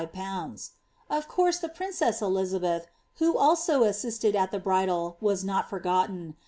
^*^'"' Of course, the princess Elizabeth, who also assistrd at the ,.^:. *ulal, was not forgotten.